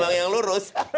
gak ada yang lurus